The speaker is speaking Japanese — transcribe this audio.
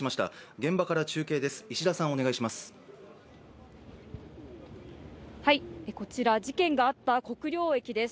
現場から中継です。